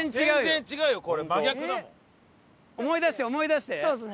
思い出して思い出して。